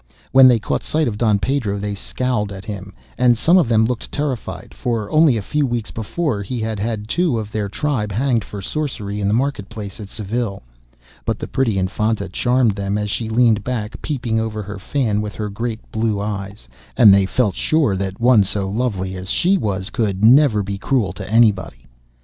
When they caught sight of Don Pedro they scowled at him, and some of them looked terrified, for only a few weeks before he had had two of their tribe hanged for sorcery in the market place at Seville, but the pretty Infanta charmed them as she leaned back peeping over her fan with her great blue eyes, and they felt sure that one so lovely as she was could never be cruel to anybody.